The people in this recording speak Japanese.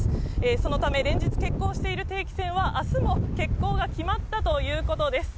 そのため、連日欠航している定期船は、あすも欠航が決まったということです。